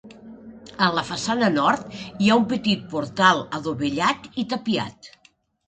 A la façana nord hi ha un petit portal adovellat i tapiat.